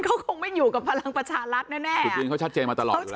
เขาคงไม่อยู่กับพลังประชารัฐแน่จุดยืนเขาชัดเจนมาตลอดอยู่แล้ว